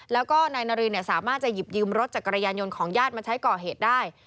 แล้วก็นายนารินสามารถจะหยิบยืมรถจักรยานยนต์ของญาติมาใช้ก่อเหตุได้